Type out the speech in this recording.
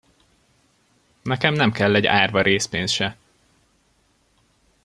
Nekem nem kell egy árva rézpénz se!